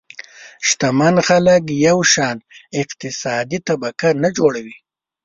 شتمن خلک یو شان اقتصادي طبقه نه جوړوي.